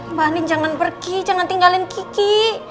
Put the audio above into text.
mbak ani jangan pergi jangan tinggalin kiki